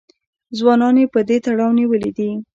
ځوانان یې په دې تړاو نیولي دي